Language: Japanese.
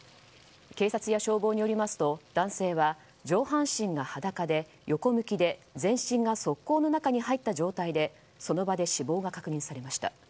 警察や消防によりますと男性は上半身が裸で、横向きで全身が側溝の中に入った状態でその場で死亡が確認されました。